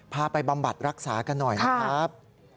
ไปบำบัดรักษากันหน่อยนะครับ